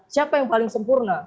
siapa yang paling sempurna